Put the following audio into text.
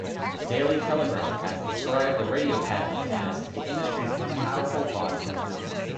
"The Daily Telegraph" has described the Radio Academy as "the industry's most powerful body".